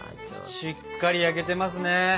しっかり焼けてますね！